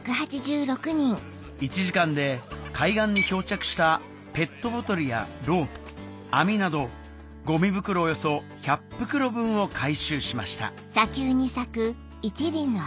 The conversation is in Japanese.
１時間で海岸に漂着したペットボトルやロープ網などゴミ袋およそ１００袋分を回収しました